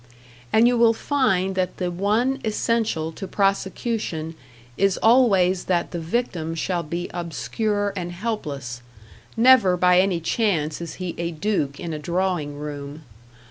And you will find that the one essential to prosecution is always that the victim shall be obscure and helpless; never by any chance is he a duke in a drawing room.